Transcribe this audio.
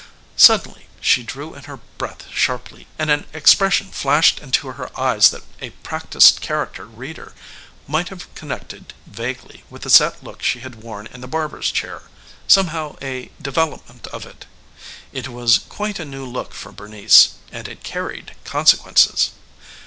Suddenly she drew in her breath sharply and an expression flashed into her eyes that a practiced character reader might have connected vaguely with the set look she had worn in the barber's chair somehow a development of it. It was quite a new look for Bernice and it carried consequences.